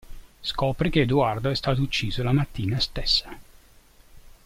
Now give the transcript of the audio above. Scopre che Edoardo è stato ucciso la mattina stessa.